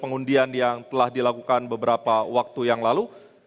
pengundian yang telah dilakukan beberapa waktu yang lalu